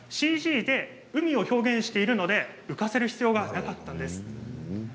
ＣＧで海を表現しているので浮かせる必要がなかったんです。